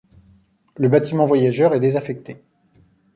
Le bâtiment voyageur est désaffecté.